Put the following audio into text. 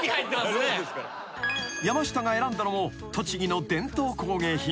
［山下が選んだのも栃木の伝統工芸品］